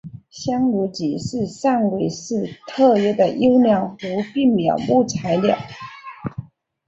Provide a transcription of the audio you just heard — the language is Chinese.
香炉桔是汕尾市特有的优良无病苗木材料。